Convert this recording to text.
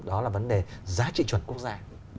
đó là vấn đề giá trị chuẩn quốc gia